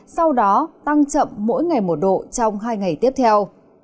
sau đó tăng chậm mỗi ngày một độ trong hai ngày tiếp theo